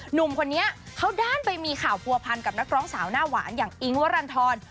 หนุ่มคนนี้เขาด้านไปมีข่าวผัวพันกับนักร้องสาวหน้าหวานอย่างอิ๊งวรรณฑร